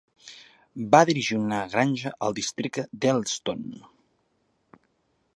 Va dirigir una granja al districte d'Helston.